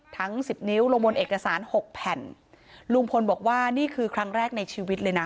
สิบนิ้วลงบนเอกสารหกแผ่นลุงพลบอกว่านี่คือครั้งแรกในชีวิตเลยนะ